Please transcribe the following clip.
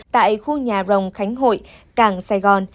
tại khu nhà rồng khánh hội cảng sài gòn